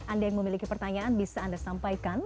anda yang memiliki pertanyaan bisa anda sampaikan